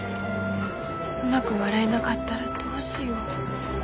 うまく笑えなかったらどうしよう。